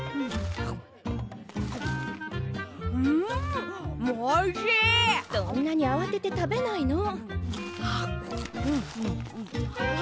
そんなにあわてて食べないの。